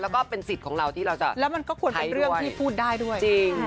และก็เป็นสิทธิ์ของเราที่เราจะไพรด้วยจริงนะคะและมันก็ควรเป็นเรื่องที่พูดได้ด้วย